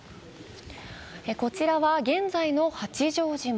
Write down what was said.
こちらは現在の八丈島。